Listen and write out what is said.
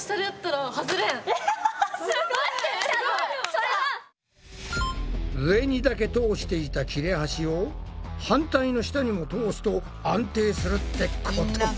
これさ上にだけ通していた切れ端を反対の下にも通すと安定するってことか？